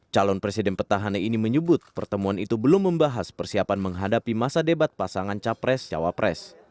calon presiden petahana ini menyebut pertemuan itu belum membahas persiapan menghadapi masa debat pasangan capres cawapres